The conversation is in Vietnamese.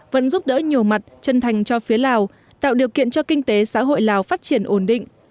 vẫn giúp đỡ nhiều mặt chân thành cho phía lào tạo điều kiện cho kinh tế xã hội lào phát triển ổn định